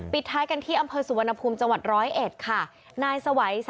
ปิดท้ายกันที่อำเภอสุวรรณภูมิจังหวัดร้อยเอ็ดค่ะ